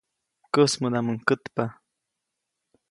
Käsmädaʼmuŋ kätpa.